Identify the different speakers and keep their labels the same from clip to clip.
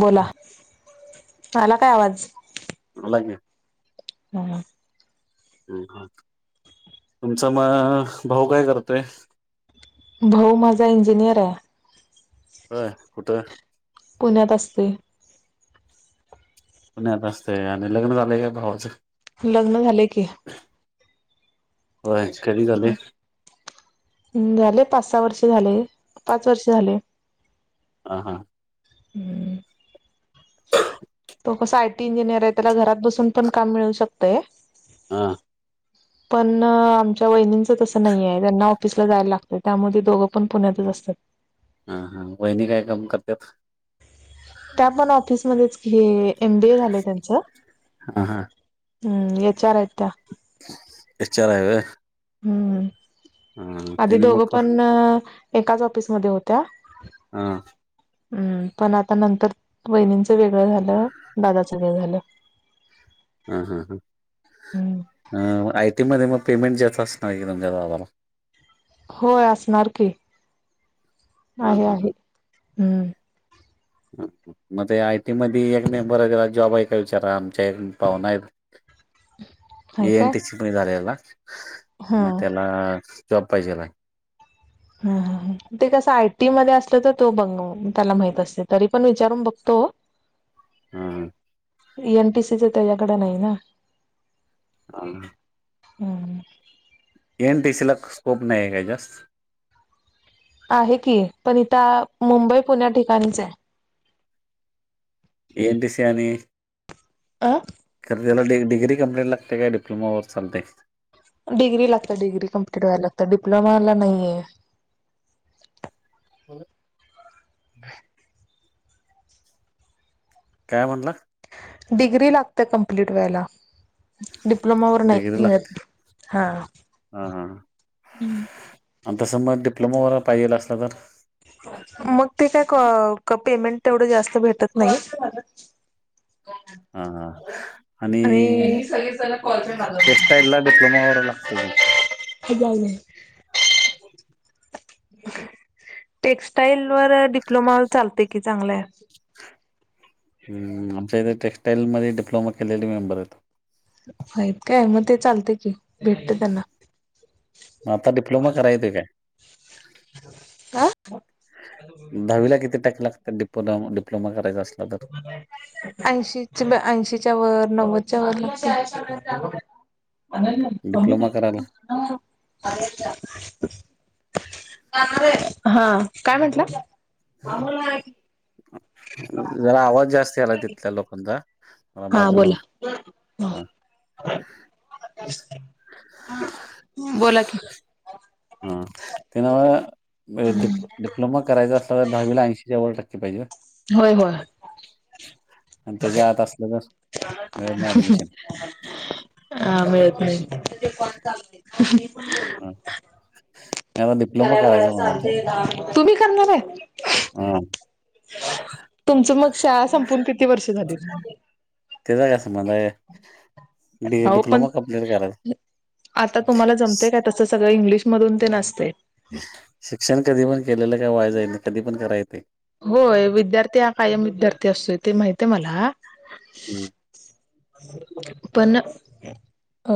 Speaker 1: बोला आला काय आवाज
Speaker 2: बोला की
Speaker 1: मोमोज
Speaker 2: ह तुमचा म भाऊ काय करतोय.
Speaker 1: भाऊ माझा इंजिनियर आहे.
Speaker 2: व्हय कुठं
Speaker 1: पुण्यात असतोय.
Speaker 2: पुण्यात असतय आणि लग्न झालेय का भावाचं
Speaker 1: लग्न झालय की
Speaker 2: होय कधी झालंय
Speaker 1: हं झाले पाच सहा वर्ष झाले पाच वर्ष झाले.
Speaker 2: ह हा
Speaker 1: हूं तो कसा आय टी इंजिनियर आहे त्याला घरात बसून पण काम मिळू शकतय.
Speaker 2: हा
Speaker 1: [unintelligible] पण आमच्या वहिनींच तसं नाहीये त्यांना ऑफिसला जायला लागतं त्यामुळे दोघं पण पुण्यातच असतात.
Speaker 2: हा हा वहिणी काय काम करत्यात
Speaker 1: त्या पण ऑफिसमध्येच हे एम बी ए झालंय त्यांचं
Speaker 2: हा हा
Speaker 1: हूं एच आर आहेत त्या
Speaker 2: एचं चार आहेत व्हय
Speaker 1: हम्म आधी
Speaker 2: त्यांनी
Speaker 1: दोघं
Speaker 2: मग हा
Speaker 1: पण एकाच ऑफिसमध्ये होत्या.
Speaker 2: हा
Speaker 1: हम्म पण आता नंतर वहिणींचं वेगळं झालं दादाचं वेगळ झालं. [unintelligible]
Speaker 2: ह हा
Speaker 1: हम्म
Speaker 2: हां आय टी मध्ये मग पेमेंट ज्याचं असणार की तुमच्या भावाला
Speaker 1: होय असणार की
Speaker 2: हा
Speaker 1: आहे
Speaker 2: हा हा
Speaker 1: आहे हम्म.
Speaker 2: मग ते आय टी मध्यी एक मेंबर आहे त्याला जॉब आहे काय विचारा आमच्या पाहुना आहे.
Speaker 1: आहे
Speaker 2: ए एन
Speaker 1: काय
Speaker 2: टी सी पणी झालेला
Speaker 1: हा
Speaker 2: म त्याला जॉब पाहिजेला
Speaker 1: ह हं हं ते कसं आयटी मध्ये असलं तर तो ब त्याला माहित असते तरी पण विचारून बघतो. [unintelligible]
Speaker 2: हा
Speaker 1: एन टी सीच त्याच्याकड नाही ना
Speaker 2: [unintelligible]
Speaker 1: हम्म.
Speaker 2: एन टी सी ला स्कोप नाय आहे का जास्त
Speaker 1: आहे की पण इथ मुंबई पुण्या ठिकाणीच आहे.
Speaker 2: ए न टी सी आणि
Speaker 1: आ
Speaker 2: कार त्याला ड डिग्री कम्लीट लाते का डिप्लोमा वर्स चालते
Speaker 1: डिग्री लागते डिग्री कम्प्िट व्हायला लागत डि्लोमालाये
Speaker 2: हो काय म्हनला
Speaker 1: डिग्री लागते कम्प्लीट व्हायला डिप्लोमा व
Speaker 2: डिग्री
Speaker 1: नाही
Speaker 2: लागते
Speaker 1: हा
Speaker 2: हा ह आणि तसं मग डिप्लोमा वगैरे पाहिजे असलं तर
Speaker 1: मग ते काय पेमेंट तेवढं जास्त भेटत नाही
Speaker 2: हा हा आणि टक्स्टाईल ला डिप्लोमा व लागत ग
Speaker 1: खपवजे. टेक्स्टाईल व डिप्लोमा चालते की चांगलंय
Speaker 2: आमच्या इथे टेक्स्टाईलमध्येध्ये डिप्लोमा केलेली मेंबर येतो
Speaker 1: माहित काय मग ते चालते की भेटते त्यांना
Speaker 2: म आताडिप्लोमा करायचं काय
Speaker 1: अ
Speaker 2: दहावीला किती टक्के लागतात डिप डिप्लोमा करायचा अस
Speaker 1: ऐंशी ऐंशीच्या वर नव्वदच्या वर आ होणार
Speaker 2: डिप्लोमा करायला
Speaker 1: हा काय म्हटलं
Speaker 2: जरा आवाज जास्त आला तिथल्या लोकांचा जरा
Speaker 1: हा
Speaker 2: बाजूला
Speaker 1: बोला बोला कि
Speaker 2: हा ते ना डिप्लोमा करायं असल तर दहावी ऐंशीच्याव टक्केहिजे
Speaker 1: होय होय
Speaker 2: आणि त्याच्या आत असलं तर मिळेल ना ऍडमिशन
Speaker 1: हा मिळत नाही कोण चाल
Speaker 2: हम
Speaker 1: तुम्ही करणार आहे
Speaker 2: हा
Speaker 1: तुमच मग शाळा संपून किती वर्ष झाली ना
Speaker 2: ते जगसं म्हध
Speaker 1: हो पण
Speaker 2: करायचा
Speaker 1: आता तुम्हाला जमतेय काय तसं सगळं इंग्लिशमधून ते नसते
Speaker 2: शिक्षण कधी पण केलेलं काय व्हाय जाय नाही कधी पण करायेतं
Speaker 1: होय विद्यार्थी हा कायम विद्यार्थी असतोय ते माहित आहे मला
Speaker 2: हम्
Speaker 1: पण अ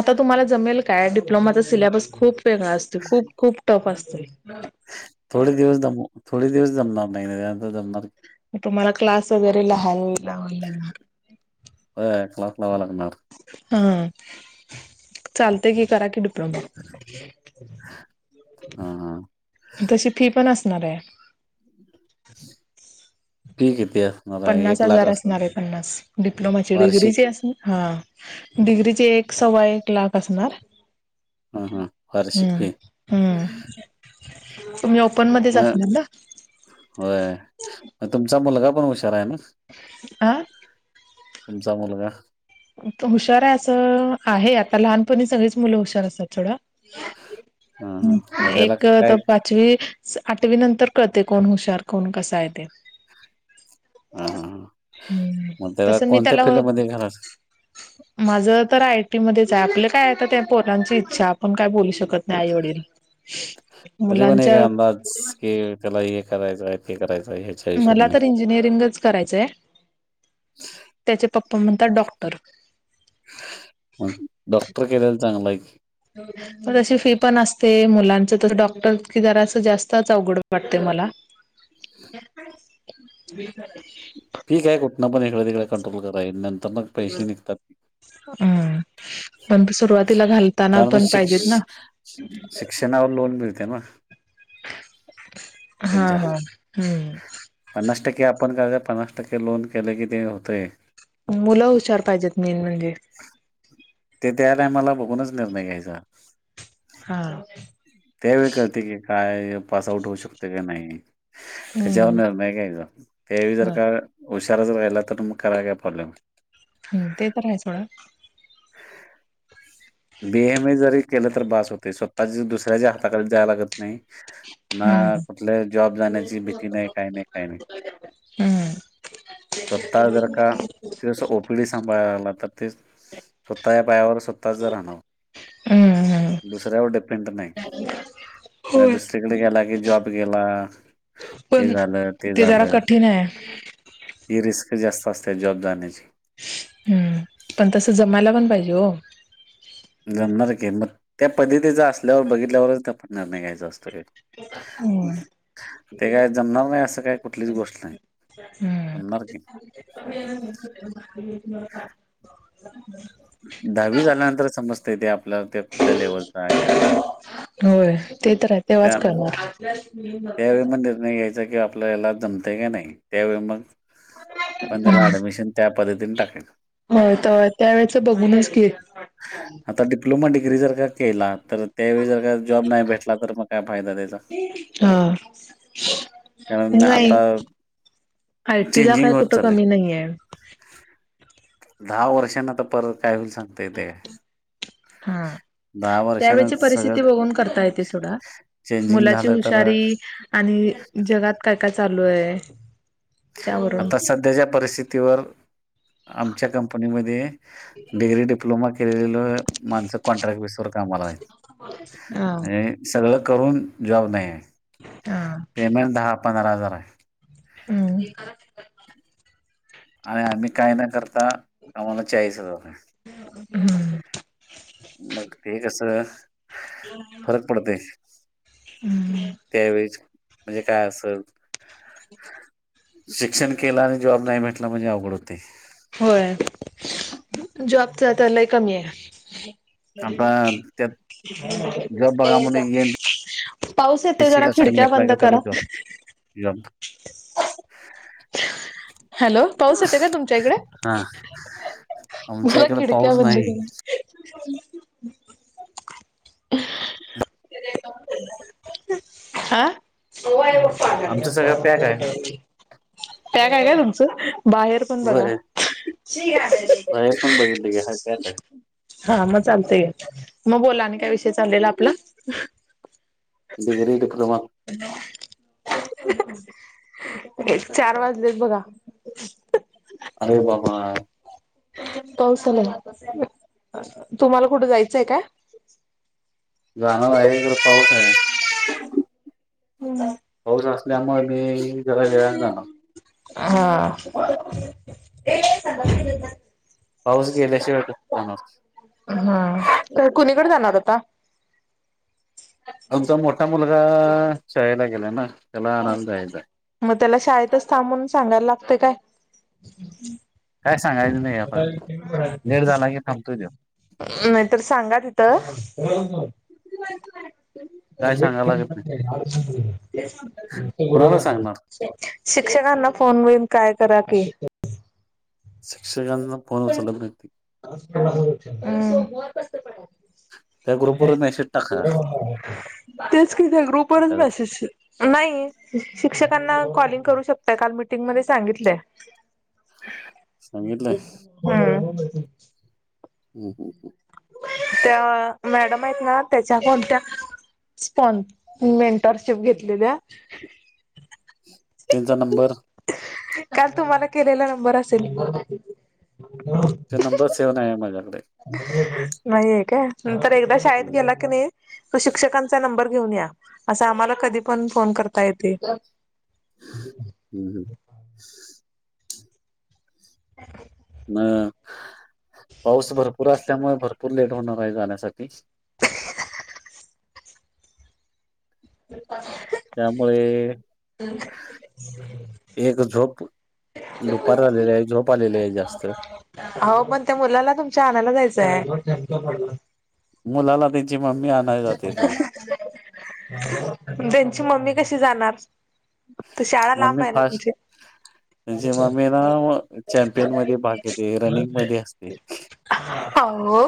Speaker 1: आता तुम्हाला जमेल काय डिप्लोमाचा सिलेबस खूप खूप हंगा असते खूप खूप टप असते
Speaker 2: थोडे दिवस जम थोडे दिवस जमणार नाही जमणार
Speaker 1: मग तुम्हाला क्लास वगैरे लहाई लावा लागणार
Speaker 2: होय क्लास लावा लागणार
Speaker 1: हा चालत कि करा कि डिप्लोमा
Speaker 2: हा हा
Speaker 1: तशी फी पण असणार आहे
Speaker 2: क कती
Speaker 1: पन्नास हजार असणारे पन्नास डिप्लोमाची
Speaker 2: वार्षिक
Speaker 1: डिग्रीची असणार हा डिग्रीचे एक सव्वा एक लाख असणार
Speaker 2: हा हा वार्षिक
Speaker 1: हम्
Speaker 2: फी
Speaker 1: हम्म तुम्ही ओपन मध्येच
Speaker 2: मग
Speaker 1: असणार ना
Speaker 2: होय तुमचा मुलगा पण हुशार आहे ना
Speaker 1: आं
Speaker 2: तुमचा मुलगा
Speaker 1: तो हुशार आहे असं आहे आता लहानपणी सगळीच मुलं हुशार असतात सोडा
Speaker 2: हा हा मग त्याला
Speaker 1: एक आता
Speaker 2: काय
Speaker 1: पाच ते आठवी नंतर कळते कोण हुशार कोण कसा आहे ते
Speaker 2: हा हा हा
Speaker 1: हम्म
Speaker 2: मग
Speaker 1: तस मी
Speaker 2: कोणत्या
Speaker 1: त्याला
Speaker 2: [unintelligible]
Speaker 1: माझं तर आयटी मध्येच आहे आपलं काय आता ते पोरांची इच्छा आपण काय बोलू शकत नाय आई वडील. [unintelligible]
Speaker 2: तस पण एक
Speaker 1: मुलांच्या
Speaker 2: अंदाज की त्याला हे करायचाय आहे ते करायचाय हे
Speaker 1: मला तर इंजिनिअरिंगच करायचंय त्याचे पप्पा म्हणतात डॉक्टर
Speaker 2: मं डॉक्टर केलेला चांगलं आहे की,
Speaker 1: हो म तशी फी पण असते मुलांचं तसं डॉक्टर कि जरासं जास्तच अवघड वाटतय मला [unintelligible]
Speaker 2: ठीक आहे कुठनं पण इकड तिकड करतो मं नंतर मग पैसे निघतात.
Speaker 1: हम पण तू सुरुवातीला घाली तानातन पाहिजेत ना.
Speaker 2: अशा नावावर लोन मिळतेे ना
Speaker 1: हा
Speaker 2: त्यांच्या
Speaker 1: हा हम्म
Speaker 2: पन्नास टक्के आपण करायच पन्नास टक्के लोन केलं की ते होतय.
Speaker 1: मुलं हुशार पाहिजेत मेन म्हणजे
Speaker 2: ते त्या टायमाला बघूनच निर्णय घ्यायचा.
Speaker 1: हा
Speaker 2: त्यावेळ कळते की काय पास आउट होऊ शकते का नाही. त्याच्यावर
Speaker 1: हम्म
Speaker 2: निर्णय घ्यायचा त्या वेळी जर
Speaker 1: हा
Speaker 2: का हुशारचं राहिला तर त मं कराय काय प्रॉब्लेम आहेत.
Speaker 1: हूं ते तर हायच म्हणा
Speaker 2: [unintelligible] बी एम एस जरी केलं तर बास होतय स्वतःची दुसऱ्याच्या हाताखाली जायला लागत नाही. ना
Speaker 1: हम्म
Speaker 2: कुठल जॉब जाण्याची भीती नाय काय नाय काय नाय.
Speaker 1: हम्म
Speaker 2: स्वतः जर का ते अस ओ ओपिडी सांभाळाला लागला तर ते स्वतः या पायावर स्वतः जरा
Speaker 1: हम्म हम्म
Speaker 2: दुसऱ्यावर डिपेंट नाही ना
Speaker 1: होय
Speaker 2: दुस- तिकड गेला की जॉब गेला. हे
Speaker 1: पण
Speaker 2: झालं ते
Speaker 1: जरा
Speaker 2: झालं
Speaker 1: कठीण आहे
Speaker 2: हीं रिस्क जास्त असत जॉब जाण्याची
Speaker 1: हम्म पण तस जमायला पण पाहिजे ओ
Speaker 2: जमणार की मग त्या पद्धतीचा असल्यावर बघितल्यावरच ते आपण निर्णय घ्यायचा असतो की
Speaker 1: हम्म
Speaker 2: ते काय जमणार नाय असं काय कुठलीच गोष्ट नाय.
Speaker 1: हम्म
Speaker 2: जमणार की
Speaker 1: [unintelligible] [unintelligible]
Speaker 2: दहावी झाल्यानंतर समजतय ते आपल्या ते कुठल्या लेवलचा आहे काय
Speaker 1: होय ते तर आहे
Speaker 2: त्या
Speaker 1: तेव्हाच कळणार
Speaker 2: त्यावेळी मग निर्णय घ्यायचा कि आपला ह्याला जमतय का नाही त्यावेळी मग पण त्याला ऍडमिशन त्या पद्धतीने टाकायचा.
Speaker 1: हो त त्या वेळेच बघूनच की
Speaker 2: आता डिप्लोमा डिग्री जर का केला तर त्यावेळी जर का जॉब नाय भेटला तर मग काय फायदा त्याचा
Speaker 1: हा
Speaker 2: कारण आता
Speaker 1: आय टी ला
Speaker 2: चेंजिंग
Speaker 1: काय
Speaker 2: होत
Speaker 1: कुठं
Speaker 2: चाललंय.
Speaker 1: कमी नाहीये.
Speaker 2: दहा वर्षांन आता परत काय होईल सांगता येतय का
Speaker 1: हा त्यावेळेची
Speaker 2: सगळं
Speaker 1: परिस्थिती बघून करता येते सोडा
Speaker 2: चेंजिंग
Speaker 1: मुलाची
Speaker 2: झालं तर
Speaker 1: हुशारी आणि जगात काय काय चालू आहे त्यावरून
Speaker 2: आता सध्याच्या परिस्थितीवर आमच्या कंपनीमध्ये डिग्री डिप्लोमा केलेलं माणसं कॉन्ट्रॅक्ट विसर का मला
Speaker 1: ह
Speaker 2: आणि सगळं करून जॉब नाही आहे
Speaker 1: हा
Speaker 2: पेमेंट दहा पंधरा हजार आहे
Speaker 1: हम्
Speaker 2: आणि आम्ही काही ना करता आम्हाला चाळीस हजार आहे
Speaker 1: हम्
Speaker 2: मग ते कसं फरक पडते
Speaker 1: हम्म
Speaker 2: त्यावेळेस म्हणजे काय असल शिक्षण केला आणि जॉब नाही भेटला म्हणजे अवघड होते
Speaker 1: होय जॉबचा त्याला कमी आहे
Speaker 2: आता त्यात
Speaker 1: ते
Speaker 2: जॉब बघा म्हणे
Speaker 1: जा पाऊस येतो जरा
Speaker 2: एनटीपीसीला
Speaker 1: खिडक्या बंद करा
Speaker 2: यल
Speaker 1: हॅलो पाऊस येते का तुमच्या इकडे
Speaker 2: हा आमच्या
Speaker 1: मला
Speaker 2: इकडे
Speaker 1: किडक्या
Speaker 2: पाऊस
Speaker 1: बंद
Speaker 2: नाही.
Speaker 1: ग ह आा
Speaker 2: आमचं सगळं पॅक आहे.
Speaker 1: त्या काय काय तुमचं बाहेर कोण बघा
Speaker 2: व्हय बाहेर पण बघितलं की हाय पॅक आहे.
Speaker 1: हा मग चालत या मग बोला आणि काय विषय चाललेला आपला
Speaker 2: डग्री डिप्लोमा
Speaker 1: एक चार वाजलेत बघा [inaudible] [unintelligible]
Speaker 2: अरे बाबा
Speaker 1: पासल तुम्हाला कुठे जायचंय का
Speaker 2: जाणं आहे ज पाऊस आहे
Speaker 1: हम्
Speaker 2: पाऊस असल्यामुळे मी जरा वेळान जाणार
Speaker 1: हा
Speaker 2: पाऊस गेल्याश वेट जा
Speaker 1: हा कुणीकडे जाणार होता
Speaker 2: अगचा मोठा मुलगा शाळेला गेलाय ना त्याला आणयला दयचा
Speaker 1: मग त्याला शाळेतच थांबून सांगायला लागते काय
Speaker 2: काय सांगाय
Speaker 1: [inaudible]
Speaker 2: त्यो
Speaker 1: [unintelligible] नाही तर सांगा तिथं
Speaker 2: काय
Speaker 1: ब
Speaker 2: सांगायला लागत नाही कुणाला सांगणार.
Speaker 1: [inaudible] शिक्षकांना फोन मिन काय करा की
Speaker 2: शिक्कण
Speaker 1: [unintelligible] [inaudible]
Speaker 2: त्या ग्रुपवर मेसेज टाका
Speaker 1: तेच क ग्रुपरच
Speaker 2: टाकायला
Speaker 1: मेसेज नाही शिक्षकांना कॉलिंग करू शकताय काल मीटिंगमध्ये सांगितलंय ह [inaudible]
Speaker 2: संांगीटले
Speaker 1: हम्म
Speaker 2: हम्म.
Speaker 1: त्या मॅडम आहेत ना त्याच्या कोणत्या. स्पन मेंटरशिप घेतलेल्या्या.
Speaker 2: त्यांचा नंबर.
Speaker 1: काल तुम्हाला केलेला नंबर असेल.
Speaker 2: ते नंबर सेव्ह नाही आहे माझ्याकडे.
Speaker 1: नाहीय काय नंतर एकदा शाळेत
Speaker 2: हम्म
Speaker 1: गेला की नाही. त शिक्षकांचा नंबर घेऊन या अस आम्हाला कधी पण फोन करता येते. हम.
Speaker 2: हम् हम्.
Speaker 1: [unintelligible]
Speaker 2: न पाऊस भरपूर असल्यामुळे भरपूर लेट होणार आहे जाण्यासाठी.
Speaker 1: [inaudible]
Speaker 2: त्यामुळे एक झोप. दुपार झालेली आहे झोप आलेली आहे जास्त.
Speaker 1: हो पण त्या मुलाला तुमच्या आणायला जायचंय.
Speaker 2: मुलाला त्यांची मम्मी आणयली जाते ना.
Speaker 1: [inaudible] त्यांची मम्मी कशी जाणार. तर शाळा लांब आहे ना तुमची.
Speaker 2: जेव्हा मी ना चॅम्पियन मध्ये भाग घेते रनिंग मध्ये असते.
Speaker 1: हो.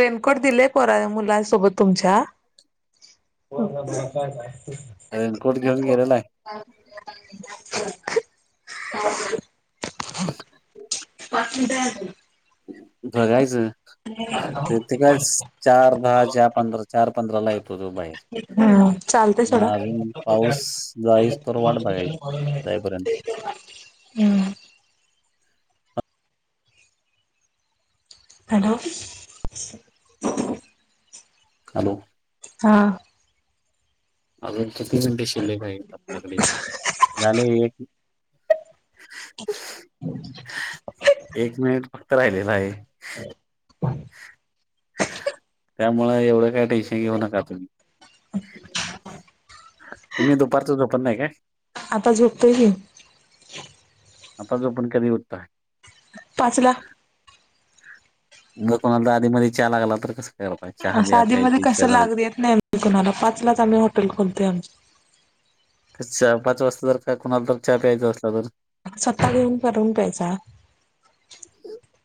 Speaker 1: रेनकोट दिलेय पोरा मुलांसोबत तुमच्या. हो ब का. [unintelligible]
Speaker 2: रेनकोट घेऊन गेलेला आहे.
Speaker 1: ह [unintelligible] पाकीध [unintelligible]
Speaker 2: बघायचं. तर तेे काय चार-दहा, चार-पंधरा, चार-पंधरा ला येतो तो बाहेर.
Speaker 1: हम चालतय
Speaker 2: मग
Speaker 1: सोडा. [inaudible]
Speaker 2: अजून पाऊस जाईस तर वाट बघायची. जाईपर्यंत
Speaker 1: हम्. [unintelligible]
Speaker 2: हॅलो.
Speaker 1: हा.
Speaker 2: अजून किती मिनटे शिल्लेक आहे आपल्याकडे झाले एक. एक मिनिट फक्त राहिलेला आहे.
Speaker 1: [inaudible]
Speaker 2: [inaudible] त्यामुळे एवढं. काश घेऊ नका तुम्ही दुप. ब् का.
Speaker 1: आता झोपतो की.
Speaker 2: आता झोपुन कधी होतता.
Speaker 1: पाचला.
Speaker 2: म कोणाला आधीमध्येध्ये चहा लागला तर कसं करा.
Speaker 1: साधीमध्ये कसं लागले येत नाही आम कुणाला पाचलाच आम्ही हॉटल खोलतोय आमची.
Speaker 2: चहा पाच वाजता जर काय कुणाला तर चहा प्यायचा असजला तर?
Speaker 1: स्वतः घेऊन करून प्यायचा.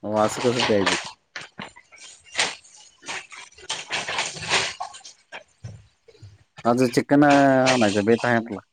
Speaker 2: मग असं कस आहे. आज चिकन आम बेट आहेला.